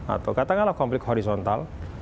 atau katakanlah konflik horizontal